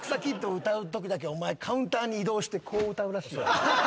お前カウンターに移動してこう歌うらしい。